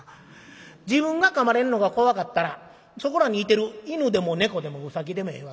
自分がかまれんのが怖かったらそこらにいてる犬でも猫でもうさぎでもええわ。